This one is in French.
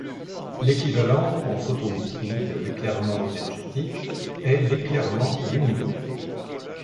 L'équivalent en photométrie de l'éclairement énergétique est l'éclairement lumineux.